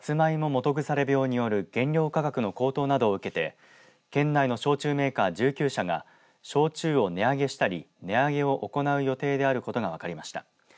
基腐病による原料価格の高騰などを受けて県内の焼酎メーカー１９社が焼酎を値上げしたり値上げを行う予定であることが分かりました。